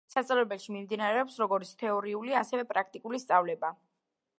სასწავლებელში მიმდინარეობს როგორც თეორიული, ასევე პრაქტიკული სწავლება.